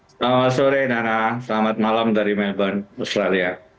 selamat sore nana selamat malam dari melbourne australia